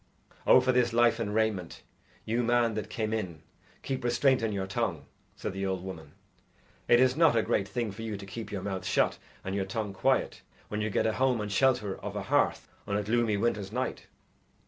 "Oh, for this life and raiment, you man that came in, keep restraint on your tongue!" said the old woman. "It is not a great thing for you to keep your mouth shut and your tongue quiet when you get a home and shelter of a hearth on a gloomy winter's night."